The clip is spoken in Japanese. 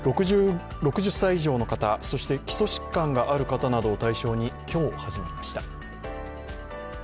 ６０歳以上の方、そして基礎疾患がある方などを対象に、今日、始まりました。